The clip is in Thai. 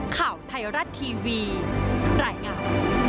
ข่าวไทยรัฐทีวีไหล่งาว